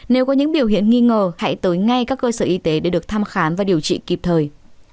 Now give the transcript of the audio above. nếu có những biểu hiện nghi ngờ hãy tới ngay các cơ sở y tế để được thăm khám và điều trị kịp thời